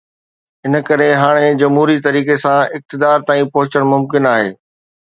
ان ڪري هاڻي جمهوري طريقي سان اقتدار تائين پهچڻ ممڪن آهي.